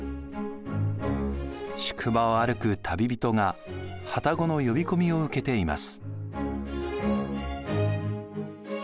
宿場を歩く旅人が旅籠の呼び込みを受けています。